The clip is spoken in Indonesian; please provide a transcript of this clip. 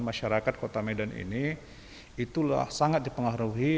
masyarakat kota medan ini itulah sangat dipengaruhi